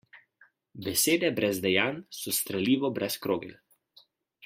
Besede brez dejanj so strelivo brez krogel.